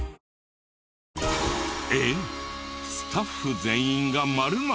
えっスタッフ全員が○○！！